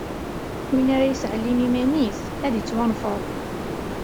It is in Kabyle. Win ara yesseɛlin iman-is, ad d-ittwanfeḍ.